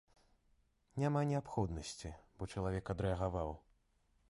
Няма неабходнасці, бо чалавек адрэагаваў.